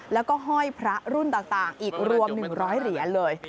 แล้วก็ห้อยพระรุ่นต่างอีกรวม๑๐๐เหรียญเลย